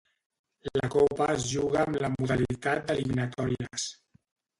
La copa es juga amb la modalitat d'eliminatòries.